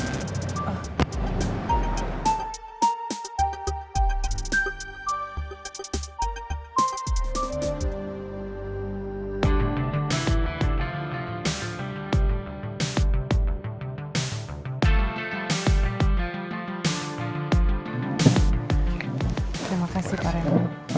terima kasih pak raymond